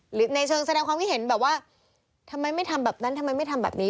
ในเชิงแสดงความคิดเห็นแบบว่าทำไมไม่ทำแบบนั้นทำไมไม่ทำแบบนี้